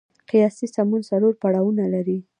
قیاسي سمون څلور پړاوونه لري.